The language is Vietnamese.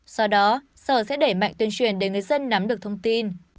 sau đó sở sẽ đẩy mạnh tuyên truyền để người dân nắm được thông tin